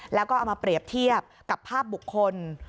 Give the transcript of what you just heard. แล้วก็เอามาเปรียบเทียบกับภาพบุคคล